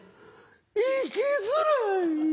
生きづらい！